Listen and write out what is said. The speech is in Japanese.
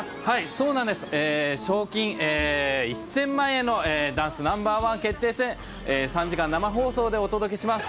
そうなんです、賞金１０００万円のダンスＮｏ．１決定戦、３時間生放送でお届けします。